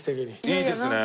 いいですねえ。